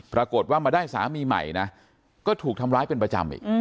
ปรากฏว่ามาได้สามีใหม่นะก็ถูกทำร้ายเป็นประจำอีก